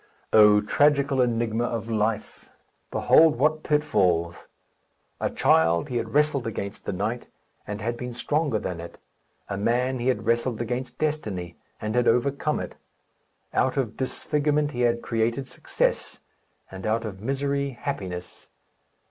O tragical enigma of life! Behold what pitfalls! A child, he had wrestled against the night, and had been stronger than it; a man, he had wrestled against destiny, and had overcome it. Out of disfigurement he had created success; and out of misery, happiness.